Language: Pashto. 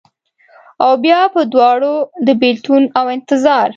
اوبیا په دواړو، د بیلتون اوانتظار